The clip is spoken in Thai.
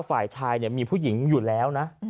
ฝ่ายชายมีผู้หญิงอยู่แล้วนะ